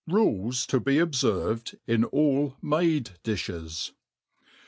RULES to be obfcrved in all MADE DISHES.